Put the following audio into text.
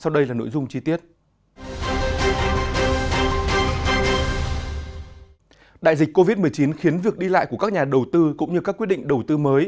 đại dịch covid một mươi chín khiến việc đi lại của các nhà đầu tư cũng như các quyết định đầu tư mới